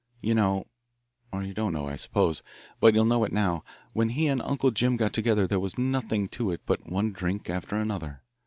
You know or you don't know, I suppose, but you'll know it now when he and Uncle Jim got together there was nothing to it but one drink after another.